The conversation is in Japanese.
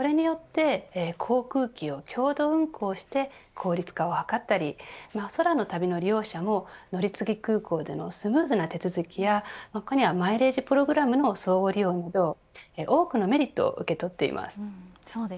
これによって航空機を共同運航して効率化を図ったり空の旅の利用者も乗り継ぎ空港でのスムーズな手続きやマイレージプログラムにも相互利用など多くのメリットを受け取っています。